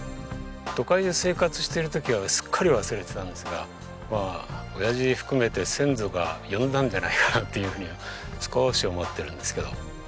都会で生活している時はすっかり忘れてたんですがまあ親父含めて先祖が呼んだんじゃないかなっていうふうに少し思ってるんですけど。